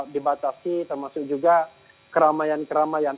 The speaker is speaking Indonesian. dibatasi termasuk juga keramaian keramaian